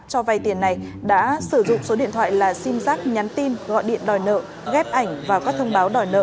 cho vay tiền này đã sử dụng số điện thoại là sim giác nhắn tin gọi điện đòi nợ ghép ảnh vào các thông báo đòi nợ